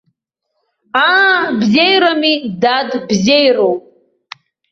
Аа, бзеирами, дад, бзеироуп.